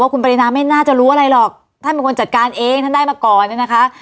คุณปรินาไม่น่าจะรู้อะไรหรอกท่านเป็นคนจัดการเองท่านได้มาก่อนเนี่ยนะคะ